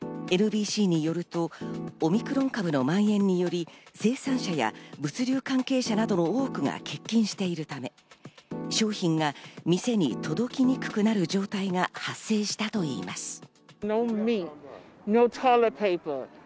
ＮＢＣによると、オミクロン株のまん延により生産者や物流関係者などの多くが欠勤しているため、商品が店に届きにくくなる状態が発生したといいます。